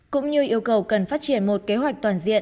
cũng như yêu cầu cần phát triển một kế hoạch toàn diện